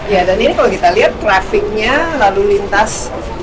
ya dan ini kalau kita lihat trafficnya lalu lintas